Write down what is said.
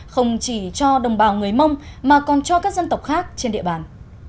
không chỉ cho đồng bào người mông mà còn cho các dân tộc khác trên địa bàn